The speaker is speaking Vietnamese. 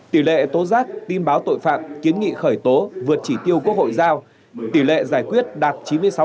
tỷ lệ tố giác tin báo tội phạm kiến nghị khởi tố vượt chỉ tiêu quốc hội giao tỷ lệ giải quyết đạt chín mươi sáu